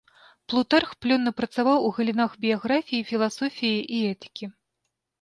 Плутарх плённа працаваў у галінах біяграфіі, філасофіі і этыкі.